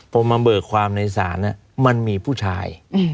พอมาเบิกความในศาลมันมีผู้ชาย